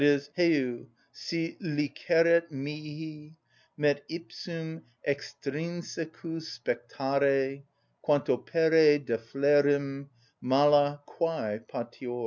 (_Heu, si liceret mihi, me ipsum extrinsecus spectare, quantopere deflerem mala, quæ patior.